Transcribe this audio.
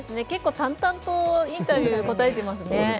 結構、淡々とインタビュー答えていますね。